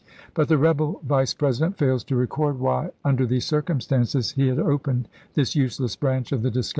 But the rebel Vice President fails to record why, under these circumstances, he had opened this useless branch of the discussion.